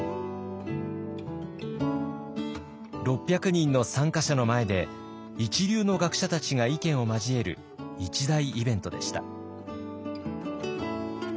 ６００人の参加者の前で一流の学者たちが意見を交える一大イベントでした。